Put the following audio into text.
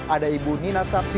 ada ibu nina sakti